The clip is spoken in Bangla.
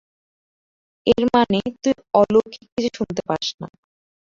এর মানে তুই অলৌকিক কিছু শুনতে পাস না।